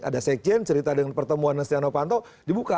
ada sekjen cerita dengan pertemuan dengan stiano panto dibuka